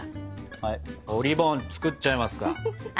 はいおりぼん作っちゃいますか。